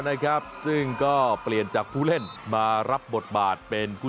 นะครับซึ่งก็เปลี่ยนจากผู้เล่นมารับบทบาทเป็นผู้